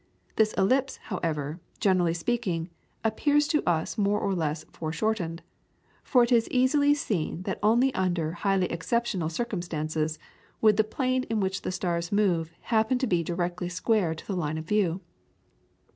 This ellipse, however, generally speaking, appears to us more or less foreshortened, for it is easily seen that only under highly exceptional circumstances would the plane in which the stars move happen to be directly square to the line of view.